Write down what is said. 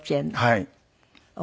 はい。